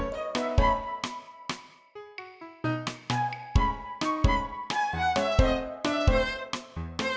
tapi dia sangat tempat bos